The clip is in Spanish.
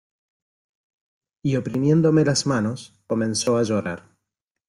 y oprimiéndome las manos, comenzó a llorar.